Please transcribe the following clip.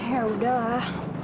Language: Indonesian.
ya udah lah